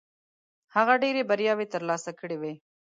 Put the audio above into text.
هغه ډېرې بریاوې ترلاسه کړې وې.